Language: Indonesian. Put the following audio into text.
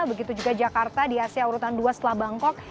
begitu juga jakarta di asia urutan dua setelah bangkok